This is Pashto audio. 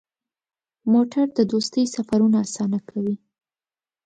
موټر د دوستۍ سفرونه اسانه کوي.